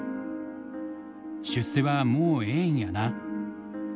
「出世はもうええんやな」。